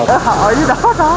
ở dưới đó đó